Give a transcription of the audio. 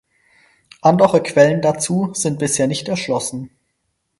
Andere Quellen dazu sind bisher nicht erschlossen.